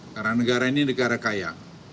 karena negara ini negara kaya